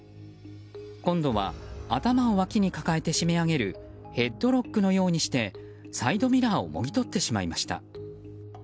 今度は頭をわきに抱えて締め上げるヘッドロックのようにしてサイドミラーをもぎ取ってしまいました。